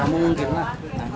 gak mungkin lah